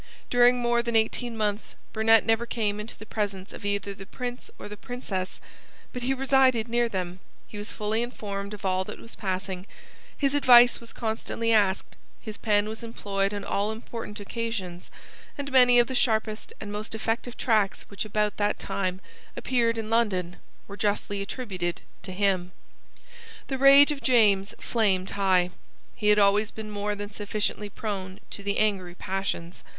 During more than eighteen months Burnet never came into the presence of either the Prince or the Princess: but he resided near them; he was fully informed of all that was passing; his advice was constantly asked; his pen was employed on all important occasions; and many of the sharpest and most effective tracts which about that time appeared in London were justly attributed to him. The rage of James flamed high. He had always been more than sufficiently prone to the angry passions.